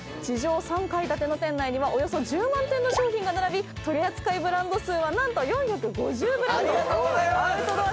地上３階建ての店内にはおよそ１０万点の商品が並び取り扱いブランド数は何と４５０ブランド！